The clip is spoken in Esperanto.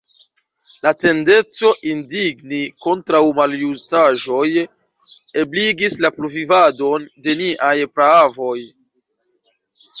La tendenco indigni kontraŭ maljustaĵoj ebligis la pluvivadon de niaj praavoj.